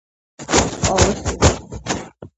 ნაგებია კვადრატული აგურით, აქვს სარდაფი.